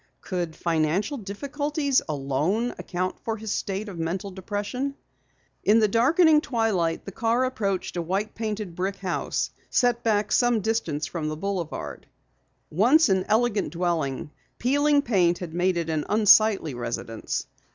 Could financial difficulties alone account for his state of mental depression? In the darkening twilight the car approached a white painted brick house, set back some distance from the boulevard. Once an elegant dwelling, peeling paint had made it an unsightly residence.